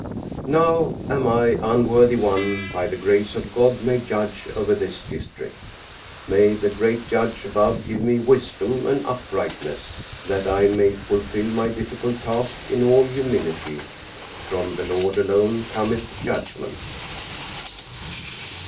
} Now am I, unworthy one, by the grace of God made judge over this district. May the Great Judge above give me wisdom and uprightness that I may fulfill my diffi cult task in all humility! From the Lord alone cometh judgment.